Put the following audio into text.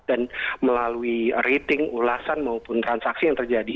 dan melalui rating ulasan maupun transaksi yang terjadi